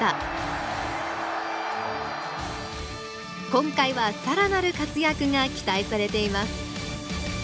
今回は更なる活躍が期待されています。